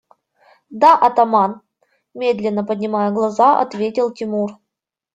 – Да, атаман, – медленно поднимая глаза, ответил Тимур.